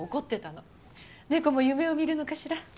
猫も夢を見るのかしら。